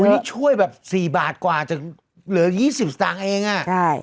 วันนี้ช่วยแบบสี่บาทกว่าจะเหลือยี่สิบสตางค์เองอ่ะใช่